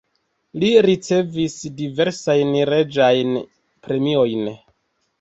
Li ricevis diversajn reĝajn premiojn.